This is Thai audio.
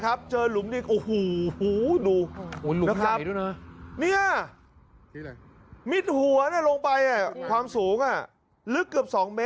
นะครับเจอหลุมนี้โอ้โหดู